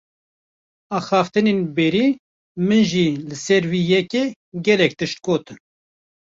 Axaftvanên berî min jî li ser vê yekê, gelek tişt gotin